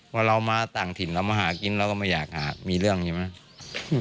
พอเรามาต่างถิ่นเรามาหากินเราก็ไม่อยากมีเรื่องใช่ไหม